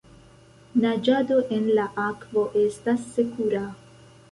Naĝado en la akvo estas sekura.